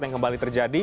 yang kembali terjadi